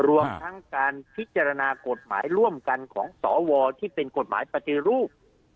รวมทั้งการพิจารณากฎหมายร่วมกันของสวที่เป็นกฎหมายปฏิรูป